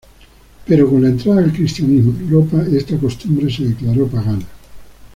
Pero con la entrada del cristianismo en Europa, esta costumbre se declaró pagana.